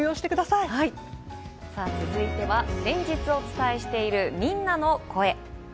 さあ続いては、連日お伝えしているみんなの声。